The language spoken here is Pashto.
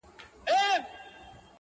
هغه به چيري وي.